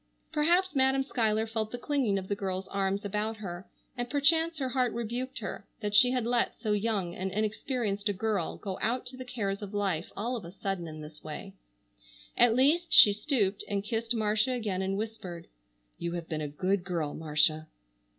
Perhaps Madam Schuyler felt the clinging of the girl's arms about her, and perchance her heart rebuked her that she had let so young and inexperienced a girl go out to the cares of life all of a sudden in this way. At least she stooped and kissed Marcia again and whispered: "You have been a good girl, Marcia."